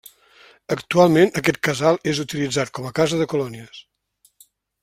Actualment aquest casal és utilitzat com a casa de colònies.